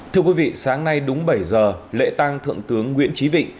thưa quý vị sáng nay đúng bảy giờ lễ tăng thượng tướng nguyễn trí vịnh